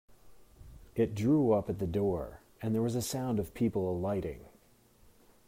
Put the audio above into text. It drew up at the door, and there was the sound of people alighting.